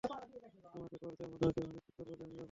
তোমাকে কর দেয়ার মাধ্যমেই কীভাবে নিশ্চিত করবো যে আমি নিরাপদ?